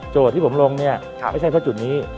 ที่ผมลงเนี่ยไม่ใช่เพราะจุดนี้